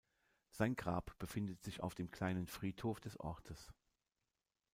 Sein Grab befindet sich auf dem kleinen Friedhof des Ortes.